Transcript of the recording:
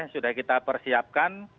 sudah kita persiapkan